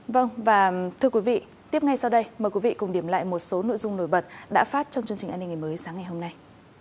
vâng và thưa quý vị tiếp ngay sau đây mời quý vị cùng điểm lại một số nội dung nổi bật đã phát trong chương trình an ninh ngày mới sáng ngày hôm nay